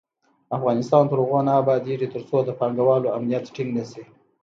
افغانستان تر هغو نه ابادیږي، ترڅو د پانګه والو امنیت ټینګ نشي.